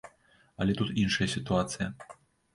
Але тут іншая сітуацыя.